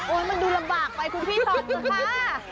โอ๊ยมันดูลำบากไปคุณพี่ถอดมั้ยคะ